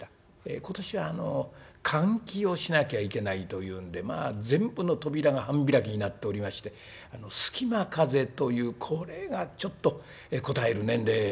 今年は換気をしなきゃいけないというんで全部の扉が半開きになっておりまして隙間風というこれがちょっとこたえる年齢でございます。